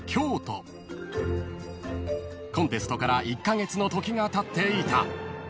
［コンテストから１カ月の時がたっていた］